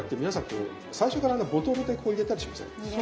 こう最初からボトルで入れたりしません？